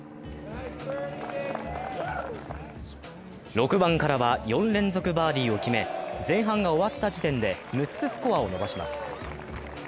６番からは４連続バーディーを決め、前半が終わった時点で６つスコアを伸ばします。